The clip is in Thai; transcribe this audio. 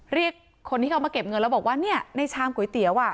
เรียกคนที่เขามาเก็บเงินแล้วบอกว่าเนี่ยในชามก๋วยเตี๋ยวอ่ะ